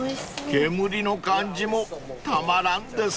［煙の感じもたまらんですね］